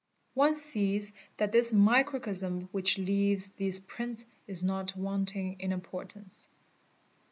One sees that " this microcosm which leaves these prints is not wanting in importance.